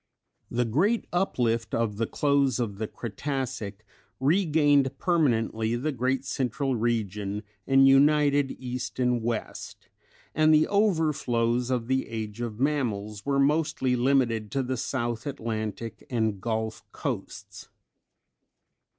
The great uplift of the close of the Cretacic regained permanently the great central region and united East and West, and the overflows of the Age of Mammals were mostly limited to the South Atlantic and Gulf coasts.